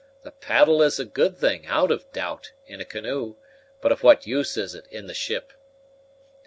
The paddle is a good thing, out of doubt, in a canoe; but of what use is it in the ship?"